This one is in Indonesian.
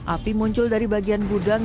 api muncul dari bagian gudang